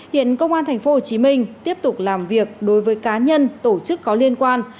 hiện công an thành phố hồ chí minh tiếp tục làm việc đối với cá nhân tổ chức có liên quan